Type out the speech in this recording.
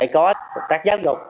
có công tác giáo dục